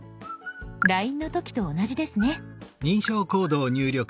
ＬＩＮＥの時と同じですね。